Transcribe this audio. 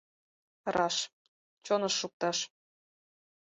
Раш — чоныш шукташ!